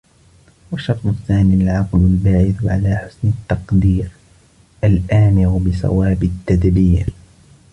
وَالشَّرْطُ الثَّانِي الْعَقْلُ الْبَاعِثُ عَلَى حُسْنِ التَّقْدِيرِ ، الْآمِرُ بِصَوَابِ التَّدْبِيرِ